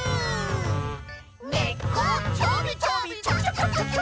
「ねっこちょびちょびチョキ」